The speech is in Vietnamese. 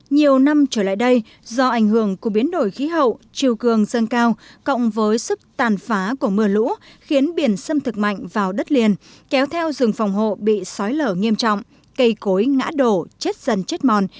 nhiều năm trở lại đây do ảnh hưởng của biến đổi khí hậu chiều cường dâng cao cộng với sức tàn phá của mưa lũ khiến biển xâm thực mạnh vào đất liền kéo theo rừng phòng hộ bị sói lở nghiêm trọng cây cối ngã đổ chết dần chết mòn